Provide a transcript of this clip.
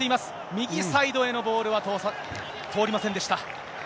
右サイドへのボールは通りませんでした。